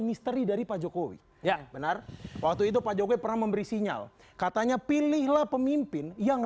misteri dari pak jokowi ya benar waktu itu pak jokowi pernah memberi sinyal katanya pilihlah pemimpin yang